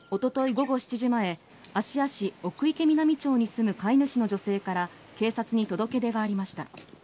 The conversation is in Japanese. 午後７時前芦屋市奥池南町に住む飼い主の女性から警察に届け出がありました。